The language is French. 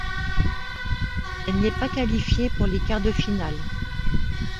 Elle n'est pas qualifiée pour les quarts de finale.